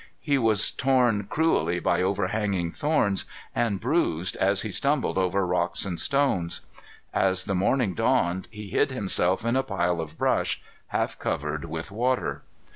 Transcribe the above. He was torn cruelly by overhanging thorns, and bruised as he stumbled over rocks and stones. As the morning dawned he hid himself in a pile of brush, half covered with water.